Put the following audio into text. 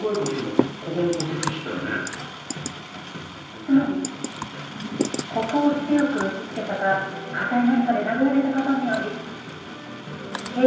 つまりここを強く打ちつけたか硬い何かで殴られた事により頸髄損傷を起こした。